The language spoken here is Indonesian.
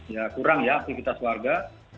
ya kurang ya aktivitas warga